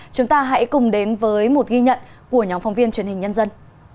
chúng ta hãy cùng đến với một ghi nhận của nhóm phóng viên truyền hình nhân dân